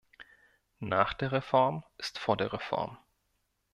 Nach der Reform ist vor der Reform!